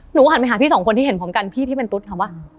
หนูหันไปหาพี่สองคนที่เห็นพร้อมกันพี่ที่เป็นตุ๊ดค่ะว่า